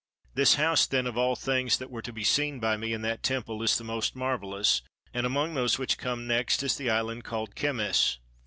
This house then of all the things that were to be seen by me in that temple is the most marvellous, and among those which come next is the island called Chemmis.